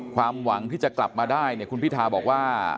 ความหวังที่จะกลับมาได้เนี่ยคุณพิทาบอกว่า